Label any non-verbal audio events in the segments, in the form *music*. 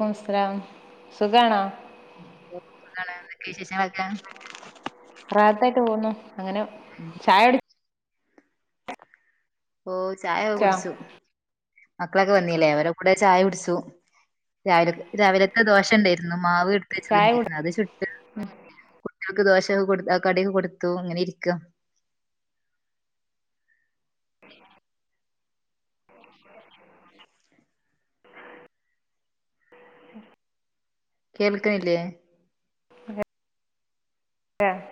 നമസ്കരം സുഖാണോ എന്നാണ് എന്തോക്കെ വിശേഷങ്ങളൊക്കെ റാഹത്തായിട്ട് പോന്നു അങ്ങനെ ഉം ചായൂടി ഓ ചായൊ കുടിച്ചോ കുടിച്ചു മക്കളൊക്കെ വന്നീല്ലേ അവരെ കൂടെ ചായ കുടിച്ചു രാവിലെ രാവിലത്തെ ദോശിണ്ടാരുന്നു മാവ് എട്ത്ത് ചായ വച്ചതിണ്ടീനി അത് ചുട്ടു കുടിച്ചാ കുട്ട്യൊൾക്ക് ദോശ കൊടു കടി കൊടുത്തു അങ്ങനെ ഇരിക്ക കേൾക്കണില്ലേ ആഹ്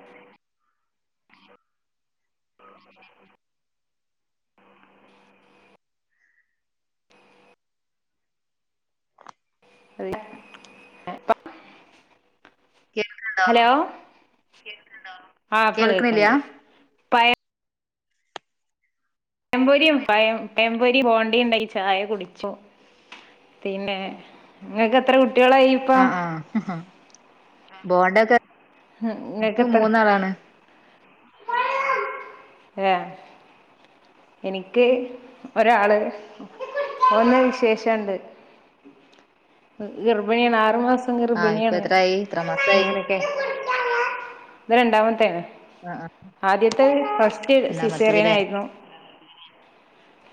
*inaudible* അത് എപ്പം കേൾക്കണ്ടോ ഹലോ, ആഹ് ഇപ്പ കേൾക്കണില്ല കേക്കണ്ട്. പഴമ്പൊരിം പയം പയമ്പൊരി ബോണ്ടയും ഉണ്ടായി ചായ കുടിച്ചു പിന്നെ ഇങ്ങക്ക് എത്ര കുട്ടി- ആഹ് ആഹ് ബോണ്ടൊക്കെ ന്ക്ക് മൂന്നാളാണ് ഏഹ് എനിക്ക് ഒരാള് ഒന്ന് വിശേഷ്ണ്ട് ഗർഭിണിയണ് ആറു മാസം ആ ഇപ്പൊ ഗർഭിണിയാണ് എത്രായി എത്ര മാസായി അങ്ങനൊക്കെ ഇത് രണ്ടാമത്തേണ് ആ ആ ആദ്യത്തെ ഫസ്റ്റ് സിസേറിയൻ രണ്ടാമത്തതില്ലേ ആയിരുന്നു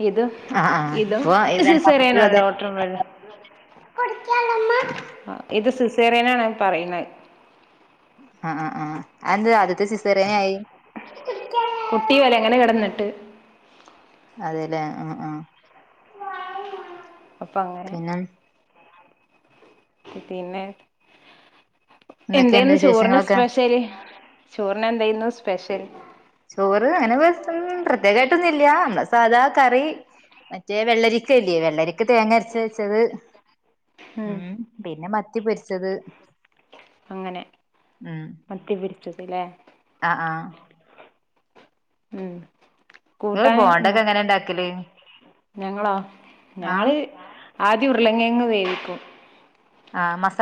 ഇത് ആ ആ ഇതും ഇപ്പൊ ഇത് രണ്ടാമത്തത് സിസേറിയനാണ് അതെ ലോട്ടറും വെള്ള ഇത് സിസേറിയനാണ് പറയുന്നെ ആഹ് ആഹ് അയെന്ത് ആദ്യത്തെ സിസേറി- കുട്ടിപോലെ അങ്ങനെ കെടന്നിട്ട് അതേല്ലേ ആഹ് ആഹ് അപ്പം അങ്ങനെ പിന്നെ പിന്നെ എന്തൊക്കെയുണ്ട് എന്തേന്ന് ചോറിന് വിശേഷങ്ങളൊക്കെ സ്പെഷല് ചോറിന് എന്താ ഇന്ന് സ്പെഷ്യല് ചോറ് അങ്ങനെ പ്രത്യേകായിട്ടൊന്നും ഇല്ല നമ്മള് സാദാ കറി മറ്റേ വെള്ളരിക്കല്ലേ വെള്ളരിക്ക തേങ്ങ അരച്ച വെച്ചത് ഉം പിന്നെ മ മത്തി പൊരിച്ചത്, അങ്ങനെ മത്തി പൊരിച്ചത് ലെ ആ ആ ഉം നിങ്ങള് കൂട്ടാന് എന്താ, ബോണ്ടൊക്കെ എങ്ങനെ ഉണ്ടാക്കല് ഞങ്ങളാ?, ആഹ് ഞങ്ങള് ആദ്യ ഉരുളകിഴങ്ങ് വേവിക്കും ആഹ മസ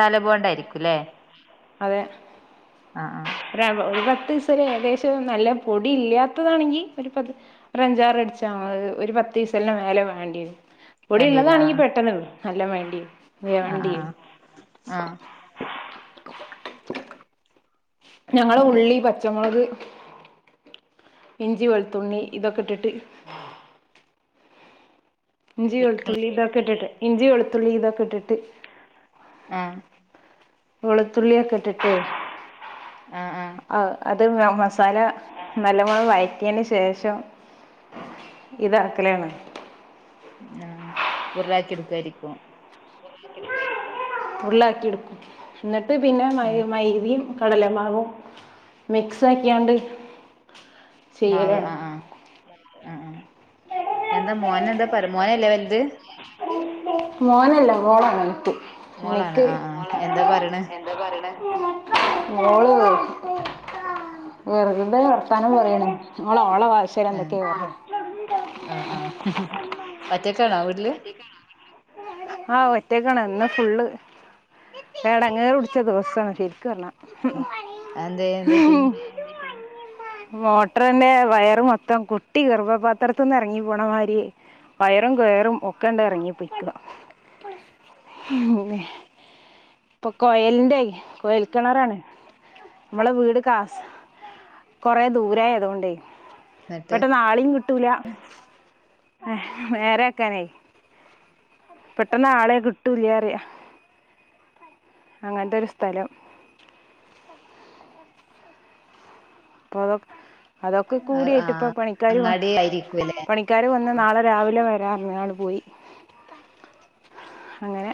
അതെ, ആഹ് ആഹ് ഒരു പത്ത് പത്ത് ദിവസരെ ഏകദേശം നല്ല പൊടി ഇല്ലാത്തതാണെങ്കിൽ ഒരു പ അഞ്ചാറ് അടിച്ചാ മതി വിസിലിന്റെ മേലെ വേണ്ടിവരും പൊടി വേണ്ടി വരും ഉള്ളതാണങ്കീ ആഹ് പെട്ടന്ന്, നല്ല വേണ്ടിയ വ വേണ്ടി, ആഹ് ആഹ് ഞങ്ങള് ഉള്ളി പച്ചമുളക് ഇഞ്ചി വെളുത്തണ്ണി ഇതൊക്കെ ഇട്ടിട്ട് ഇഞ്ചി വളുത്തുള്ളി ഇതൊക്കെ ഇട്ടിട്ട് ഇഞ്ചി വെളുത്തുള്ളി ഇതൊക്കെ ഇട്ടിട്ട് ആഹ വെളുത്തുള്ളിയൊക്കെട്ടിട്ട് ആഹ ആഹ അത് മസാല നല്ലപോലെ വഴറ്റിയതിന് ശേഷം ഇതാക്കലാണ് ആഹ ഉരുളാക്കി എടുക്കാായിരിക്കും ഉരുളാക്കി എടുക്കും, എന്നിട്ട് പിന്നെ മൈ ഉം മൈതീം, കടലമാവും മിക്സ് ആക്കിയാണ്ട് മാവ് ചെയ്യലാണ് ആഹ് ആഹ് ആഹ് ആഹ എന്താ മോന് എന്താ പറ മോനല്ലേ വല്ത് മോനല്ല മോളാണ് മൂത്ത്. മോളാണ് എനിക്ക് ആഹ് ആഹ് എന്താ പറയണേ മോള് ഉറക്കുമ്പോ വർത്താനം പറയാണെ, അല്ല ആഹ ആഹ ആഹ മറ്റക്ക ആണോ വീട്ടില് ആഹ് ഒറ്റക്കാണ് ഇന്ന് ഫുള്ള് എടങ്ങേറ് പിടിച്ച ദിവസമാണ്. ശരിക്ക് പറഞ്ഞാ ഉം അതെന്തേ ഉം എന്തുപറ്റി ഉം മോട്ടറിന്റെ വയറ് മൊത്തം കുട്ടി ഗർഭപാത്രത്തൊന്ന് ഇറങ്ങി പോണ മായിരി വയറും കയറും ഒക്കെ അങ്ങട് ഇറങ്ങിപോയിക്കാ ഇപ്പൊ കോയലിന്റെ കോയൽക്കിണറാണ്, നമ്മളെ വീട് കാസ് കൊറെ ദൂരെ ആയതോണ്ടെ എന്നിട്ട് പെട്ടന്ന് ആളീം കിട്ടൂല. നേരെ നേരാക്കനെ പെട്ടെന്ന് ആളെ കിട്ടൂല്ലറിയാ, അങ്ങനത്തെ ഒരു സ്ഥലം പൊ അതൊക്കെ കൂടിയായിട്ട് ഇപ്പൊ ആഹ് പണിക്കാർ അങ്ങാടി ആയിരിക്കുംല്ലേ പണിക്കാാര് വന്ന് നാളെ രാവിലെ പറഞ്ഞ് അങ്ങ് പോയി, അങ്ങനെ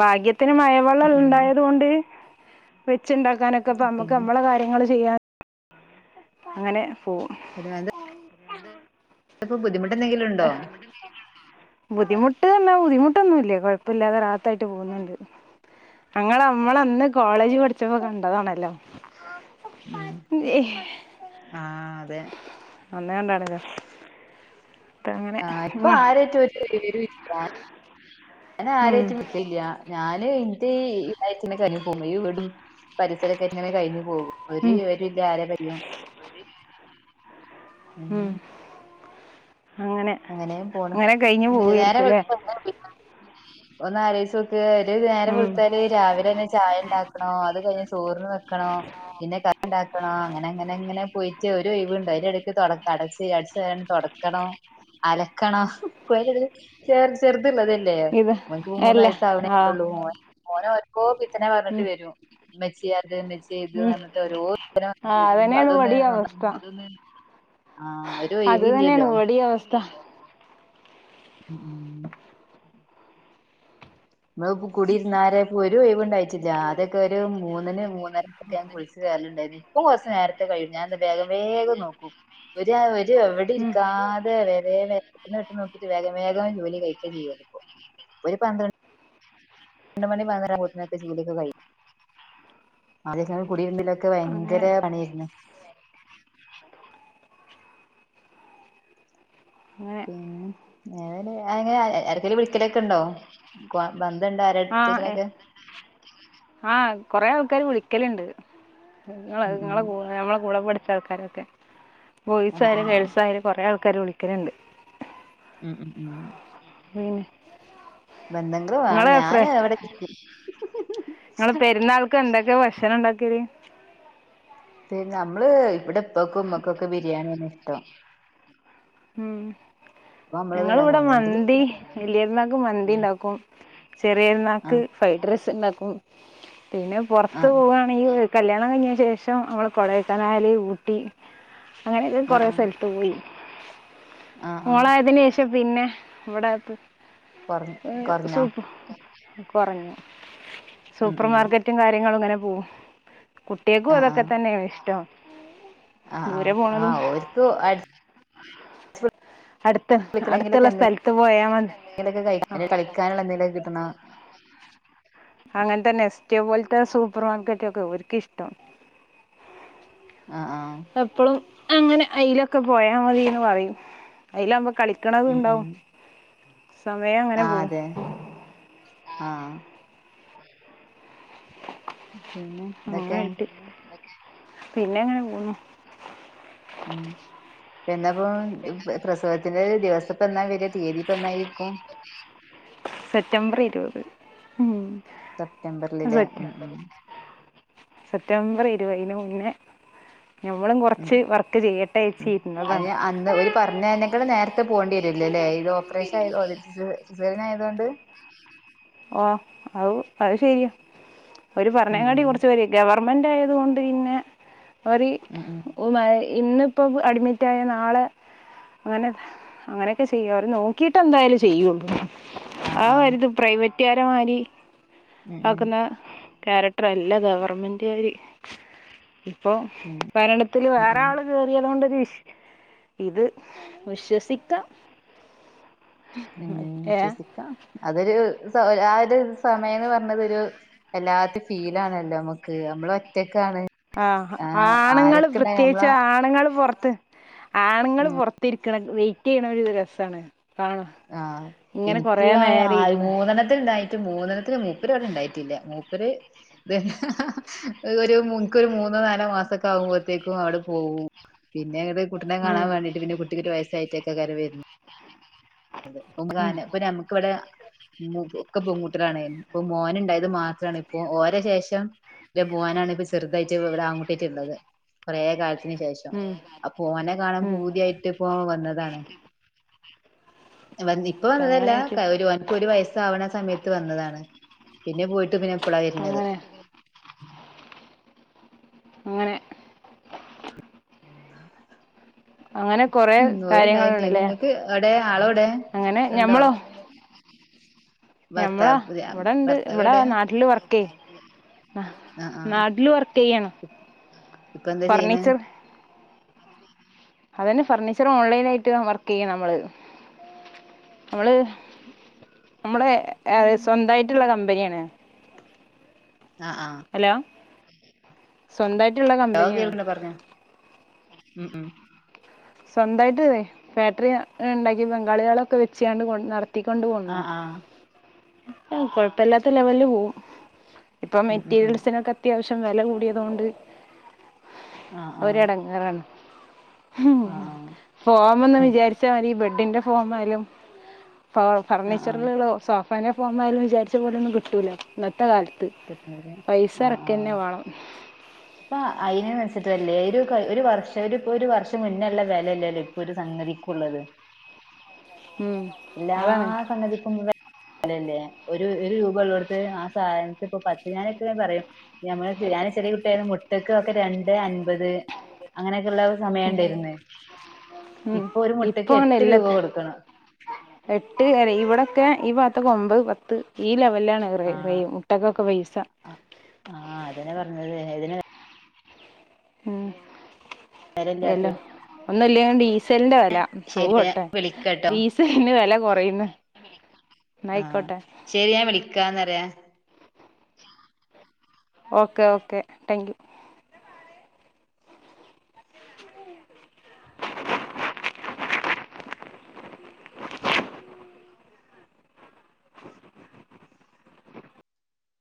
ഭാഗ്യത്തിന് മഴവെള്ളം ഉം ഉണ്ടായത് കൊണ്ട് വെച്ച് ഉണ്ടാക്കാനൊക്കെ നമക്ക് പിന്നെ നമ്മ കാര്യങ്ങള് ചെയ്യാൻ അങ്ങനെ പോവാ ഒരുമാതിരി *unintelligible* പ്പോ ബുദ്ധിമുട്ട്, ഉണ്ടോ ഏഹ് ബുദ്ധിമുട്ട് ന്നാ ബുദ്ധിമുട്ടൊന്നുല്ല കൊഴപ്പല്യാതെ റാഹത്തായിട്ട് പോകുന്നുണ്ട്. ങ്ങള് അമ്മള് അന്ന് കോളേജ് പഠിച്ചപ്പോ കണ്ടതാണല്ലോ. ഉം ആഹ്. അതെ അന്നണ്ടാണലോ. ആന് ഇപ്പൊ ആ. ആരാട്ടും ഒരു വിവരൂല. ഞാൻ ഉം. ആരായിട്ട് നിക്കല്ല്യ നാൻ. ഞ ഇന്റെ ന്റെയ് *unintelligible* വീടും പരിസരൊക്കെ ഇങ്ങനെ കഴിഞ്ഞു. പോ ഉം. ഒരുവിവരൂല്ല്യ ആരെ പറ്റ്യും ഉം. അങ്ങനെ അങ്ങനെയ പോണ് അങ്ങനെ കഴിഞ്ഞു നേരം പോവായിരിക്കും വെളു അല്ലേ ന്നാലോയ്ച്ചോക്ക് ഒരു നേരം ഉം വിളത്താല് രാവിലെ തന്നെ ചായ ഉണ്ടാക്കണോ അത് കഴിഞ്ഞ. ചോർ വെക്കണോ പിന്നെ ക ഉണ്ടാക്കണോ അങ്ങനെ അങ്ങനെ അങ്ങനെ പോയിട്ട് ഒരു ഒഴിവുണ്ടോ അതിന്റെ ഇടക്ക് തൊടക്ക. അടചാരണം തൊടക്കണം അലകാണോ തിള്ളതല്ലേ ഇത് ഓൻക്ക് മൂന്ന് അല്ല ആ വയസ്സാവണേുള്ളൂ ഓനാർക്. നെ പറഞ്ഞിട്ട് ഉം വരും മ്മച്യേ. അത് ചെയ്ത് ഉം ന്നിട്ട് ഓരോ ആ അതന്നെയാണ് അതൊന്ന് ഇവിടെ നന്ന അവസ്ഥ *unintelligible* ആഹ് ഒരു അത് തന്നെയാണ് ഒയിവില്ലലോ. ഇവിടെ അവസ്ഥ ഉം. നമ്മളിപ്പോ കുടിരുന്നാരെ ഒരു ഒയിവിണ്ടായിട്ടില്യ ആദ്യാക്കെ ഒരു മൂന്നിന് മൂന്നരൊക്കെ ഞൻ കുളിച്ചു കയറല്ണ്ട്. ണ്ടരുന്നു ഇപ്പൊ കുറച്ചു നേരത്തെ കഴിയും ഞാന് എന്താ വേഗം വേഗം നോക്കു. ഒരു ഒരു എവിടെ ഉം ഇരിക്കാതെ വേ വേ ഇട്ട് നോക്കിട്ട് വേഗം വേഗം. ജോലി കയ്കചെയ്യാന പ്പൊര് പന്ത്രണ്ട്. രണ്ട് മണി നേരത്തിന്റ ജോലിയൊക്കെ കയും ആദ്യോ കുടിര്ന്ന്. തൊക്കെ ഭയങ്കര അങ്ങനെ പണിർന്ന്. ഉം ഏ അന ആർക്കേലും വിളിക്കലൊക്കെ ഉണ്ടോ. ബന്ധമുണ്ടോ ആഹ് ആരടുത്തേക്കിലൊക്കെ ആഹ് കൊറെ ആൾക്കാര് വിളിക്കലണ്ട്. നിങ്ങ ഉം ഉം നിങ്ങളെ നമ്മളെ കൂടെ പഠിച്ച ആൾക്കാരൊക്കെ ആ ബോയ്സ് ആ ആയാലും ഗേൾസ് ആായാലും കൊറെ ആൾക്ക.. ക്കാരും വിളിക്കലണ്ട്. ഉം ഉം ഉം. ഉം ബന്ധങ്ങൾ വേണം ഞാന് ഇവിടെ ഇക്. *unintelligible* എന്തൊ ഭഷണം ഉണ്ടാക്കല് പി നമ്മള് ഇവിടെ പ്പക്കും ഉമ്മക്കൊക്കെ ബിരിയാണിയാണ് ഇഷ്ട്ടം. ഉം ഞങ്ങിള് ഇണ്ടാക്കും വിടെ ഒന്നെങ്കില് മന്തി വലിയരുന്നാക്ക് മന്തി ഉണ്ടാക്കും. ചെറിയരുന്നാക്ക് ആഹ് ഫ്രൈഡ് റൈസ് ഇണ്ടാക്കും പിന്നെ പൊറത്ത് ആഹ് പോവാണെങ്കിൽ. കല്യാണം കഴിഞ്ഞ ശേഷം നമ്മൾ കൊടക്കനാൽ ഊട്ടി അങ്ങനെയൊക്കെ ആഹ് കുറേ ആഹ് സ്ഥലത്ത് പോയി. ആഹ് ആഹ് മോളയതിനന് ശേഷം പിന്നെ ഇവിടെ കൊറഞ്ഞ കൊറഞ്ഞോ. സൂപ്പ് കുറഞ്ഞു ഉം ഉം സൂപ്പർമാർക്കറ്റും കാര്യങ്ങളും ഇങ്ങനെ പോവും. കുട്ട്യേക്കും അതൊക്കെതന്നെയാണ് ഇഷ്ടം. ആഹ ആഹ ദൂരെ ആഹ പോണതും ഒരിക്കും. *inaudible* അടുത്ത പൊളിക്കണെങ്കിലൊക്കെ അടുത്തുള്ള സ്ഥലത്ത് പോയാ മതി എന്തെങ്കിലൊക്കെ ആ. കഴി കളിക്കാനുള്ള എന്തെങ്കിലൊക്കെ കിട്ടണം ഒറ്റേപോലത്തെ സൂപ്പർ മാർക്കറ്റ് ഒക്കെ ഒർക്കിഷ്ട്ടം. ആഹ ആഹ. അങ്ങനെ അയ്ലൊക്കെ പോയാ മതിന്ന് പറയും. അയ്ലാവുമ്പോ കളിക്കണത് ഉം ഉം ഇണ്ടാവും. സമയം അങ്ങനെ ആഹ് പോവും. അതെ ആഹ് പിന്നെ എന്തൊക്കെ ങ്ങനായിട്ട് പിന്നെ അങ്ങനെ പോന്നു. ഉം പിന്നപ്പോ പ്രസവത്തിന്റെ ദിവസപ്പ എന്നാ വരാ തീയതി. ഇപ്പ എന്നായിരിക്കും സെറ്റബർ ഇരുപത് ഉ സെപ്തംബറില് ലോ. ഉം സെപ്തംബർ ഇരുപതിനുമുന്നേ ഞമ്മളും കുറച്ചുവർക്ക് അതിന്, അന്ന്.. ഓരു പറഞ്ഞതിനെക്കാളും നേരത്തെപോകേണ്ടി വരുവല്ലോയല്ലേ? അതിന് ഓപ്പറേഷൻ ആയതൊ സിസേറിയനായതു കൊണ്ട് ഓ, അത അതുശരിയാ, ഉം അവരുപറഞ്ഞേനക്കാട്ടി ഉം കുറച്ചു *unintelligible* ഗവർമെന്റായതു കൊണ്ടു പിന്നെ അവര്, ഉം ഉം ഒരുമാതിരി ഇന്നിപ്പോ അഡ്മിറ്റായാ നാളെ അങ്ങനെ അങ്ങനെയൊക്കെ ചെയ്യും. അവരുനോക്കി ട്ടെന്തായാലും ചെയ്യുകയുള്ളൂ. ആഹ് ആഹ് ആവരുത്, പ്രൈവറ്റുകാരെമാതിരി ഉം ഉം യാക്കുന്ന ക്യാരക്ടറല്ല ഗവർണ്മെന്റുകാര്. ഉം അപ്പൊഭരണത്തില് ഉം വേറെയാളു കേറിയതുകൊണ്ടാരു ഇ ഇത് വിശ്വസിക്കാം ഉം.. ഏ വിശ്വസിക്കാ അതൊരു ആയൊരു സമയമെന്നുപറഞ്ഞതൊ രു വല്ലാത്ത ഫീലാണല്ലോ നമ്മക്ക് നമ്മൾ ഒറ്റക്ക് ആ.. ആണുങ്ങള് ആരൊക്കെണ്ടായാലും പ്രത്യേകിച്ച് നമ്മള് ആണുങ്ങളു പുറത്ത് ആണുങ്ങൾ പുറത്തിരി ക്കണ വെയിറ്റുചെയ്യണ തൊരു രസമാണ്. കാണാൻ ആ.. ഇങ്ങനെ എനിക്കു കുറേ ആ നേരം ഇരുന്ന് മൂന്നെണ്ണത്തിനുണ്ടായിട്ട്, മൂന്നെണ്ണത്തിന് മൂപ്പിരുവന്നിട്ടുണ്ടായിട്ടില്ല. എനിക്കൊരു *unintelligible* മൂന്നോ, നാലോ മാസമൊക്കെയാകുമ്പോളത്തേക്കുംമങ്ങോട് പോകും. പിന്നെവേറെ കുട്ടീനെ ഉം, കാണാൻ വേണ്ടിട്ട് പിന്നെ കുട്ടിക്കൊരു വയസ്സായിട്ടൊക്കെ കരം വര. *unintelligible* ഉം, ഇപ്പൊ നമുക്കിവിടെ മുക്കൊക്കെ പെൺകുട്ടികളാണേ. ഇപ്പൊമോനുണ്ടായതു മാത്രമാണ് ഒരെശേഷം. ഇന്റെ മോനാണിപ്പം ചെറുതായിട്ടിവിടെ ആ ൺകുട്ടിയുള്ളത്. കുറേ കാല വിശേഷം ഉം, അപ്പൊഓനെ കാണാൻ ഉം. പൂതിയായിട്ടിപ്പോ വന്നതാണ്. ഇപ്പ വന്നതല്ല അങ്ങനെ ആയിട്ട് അവൻക്ക് ഒരു വയസ്സാണ് സമയത്ത് വ്നതണ പിന്നെപോയിട്ടു പിന്നെ ഇപ്പളാ വരുന്നത്. അങ്ങനെ അങ്ങനെ അങ്ങനെ കൊറേ ഉം... കാര്യങ്ങളുണ്ട്ല്ലേ ഓരുണ്ടായിട്ടെനിങ്ങൾക്കെവിടെ ആളെവിടെ അങ്ങനെ ണ്ടോ? ഞമ്മളാ പുതിയ ഇവിടെയുണ്ട്. ഭർത്താവ് ഇവിടാ എവിടെ നാട്ടിലുവർക്ക് ആഹ് ആഹ് നാട്ടിലുവർക്കുചെയ്യണു. ഇപ്പൊ എന്താ ചെയ്യണ് ഫർണീച്ചർ അതുതന്നെ ഫർണീച്ചർ ഓൺലൈനായിട്ടു വർക്ക്ചെയ്യ നമ്മള്.. നമ്മള് നമ്മുടെ ഏ.. സ്വന്തമായിട്ടുള്ള കമ്പനിയാണ്. അ... ആ സ്വന്തമായിട്ടുള്ള ലോ കമ്പനിയാണ്. കേൾക്ക്ണ്ട് പറഞ്ഞോ ഉം.. ഉ സ്വന്തമായിട്ടുഫാക്ടറിയു ണ്ടാക്കി ബംഗാളികളെയൊക്കെ വെച്ചങ്ങട് കൊണ്ടു നട.. എത്തിക്കൊണ്ട് പോന്നു. ആഹ് ആഹ് ഉം.. കൊഴപ്പമില്ലാത്ത ലെവലിൽ പോവും. ഇപ്പൊ, ഉം ഉം ഉം മെറ്റീരിയൽസിനൊക്കെയത്യാവശ്യം വില കൂടിയതുകൊണ്ട്.. ആഹ് ആഹ് ഒരിടങ്ങേറാണ് ആഹ് ആഹ് ഫോമൊന്ന് ഉം വിചാരിച്ചാ മതി, ബെഡിന്റെ ഫോംവരും ഫ.. ആഹ് ആഹ് ഫർണിച്ചറുകളോ സോഫാനെഫോമായാലും വിചാരിച്ചാ പോലെയൊന്നും കിട്ടൂല്ല. ഇന്നത്തെ കാലം. പൈസയിറക്കുക തന്നെ വേണം. അപ്പ അയിനുനെച്ചിട്ടതല്ലേ ഒരു കൊല്ലം മൊരുവർഷം പക്ഷേയിപ്പോയൊരു വർഷം മുന്നേയുള്ള വിലയല്ലല്ലോ ഇപ്പൊ ഒരു സംഗതിക്കുള്ളത്. ഉം അതാണ് എല്ലാസംഗതിക്കുംവിലയല്ലേ, ഒരു.. ഒരുരൂപയുളളിടടത്ത് ആ സാധന ഇപ്പംപത്ത്, ഞാനെപ്പിളും പറയും ഞമ്മളുഞാൻ ചെറിയ കുട്ടിയായിരുന്നപ്പോൾ മുട്ടക്ക് ഒക്കെ രണ്ടൻപത് അങ്ങനെ. സമയമുണ്ടായിരുന്നേ, ഉം ഇപ്പൊ ഒരു ഇപ്പൊ അങ്ങനെ എല്ലാ മുട്ടക്കെട്ടുരൂപ കൊടുക്കണം. എട്ട് അ.. ഇവിടൊക്കെ, ഈ ഭാഗത്തൊക്കെയൊൻമ്പത്, പത്ത് ഈലെവ വല്യാങ്ങള ആഹ് പറയും, മുട്ടയ്ക്കൊക്കെ പൈസ. ആഹ് അതന്നെ പറഞ്ഞത് ഇതിന് ഉം വെരല്ല്യാത്തത് ഒന്നില്ല്യ ഡീസലന്റെ വില ആട്ടെ വിളിക്കട്ടോ ഡീസലിന്റെ വില കൊറയന്ന് ആഹ ശരി ഞാൻ വിളിക്കാന്നര ഓക്കെ ഓക്കേ താങ്ക് യു *inaudible*